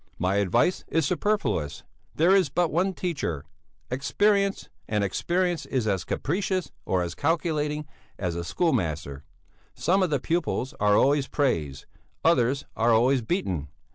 My advice is superfluous. There is but one teacher: experience, and experience is as capricious, or as calculating, as a schoolmaster; some of the pupils are always praised; others are always beaten.